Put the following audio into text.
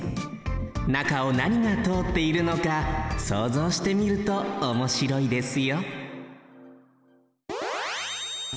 中をなにがとおっているのかそうぞうしてみるとおもしろいですよ